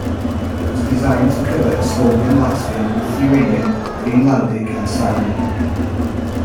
It was designed to cover Estonian, Latvian, Lithuanian, Greenlandic, and Sami.